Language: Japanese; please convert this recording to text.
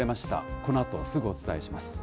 このあとすぐお伝えします。